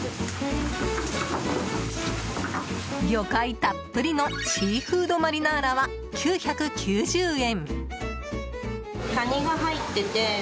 魚介たっぷりのシーフードマリナーラは９９０円。